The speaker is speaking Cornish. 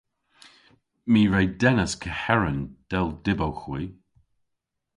My re dennas keheren, dell dybowgh hwi.